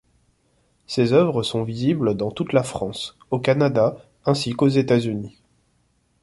Ses œuvres sont visibles dans toute la France, au Canada, ainsi qu'aux États-Unis.